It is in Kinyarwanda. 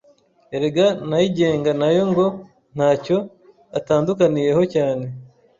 Erega nayigenga nayo ngo nta cyo atandukaniyeho cyane